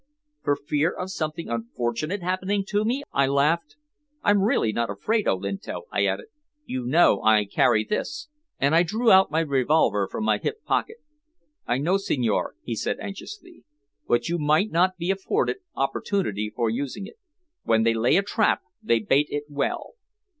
"For fear of something unfortunate happening to me!" I laughed. "I'm really not afraid, Olinto," I added. "You know I carry this," and I drew out my revolver from my hip pocket. "I know, signore," he said anxiously. "But you might not be afforded opportunity for using it. When they lay a trap they bait it well."